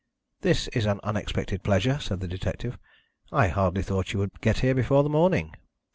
"This is an unexpected pleasure," said the detective. "I hardly thought you would get here before the morning."